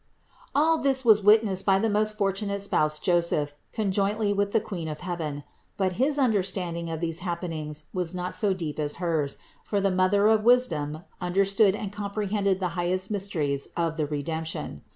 All this was witnessed by the most fortunate spouse Joseph con jointly with the Queen of heaven; but his understanding of these happenings was not so deep as hers, for the Mother of wisdom understood and comprehended the highest mysteries of the Redemption.